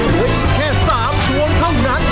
โดยอีกแค่๓ตัวเท่านั้น